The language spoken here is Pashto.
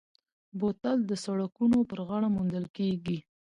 بوتل د سړکونو پر غاړه موندل کېږي.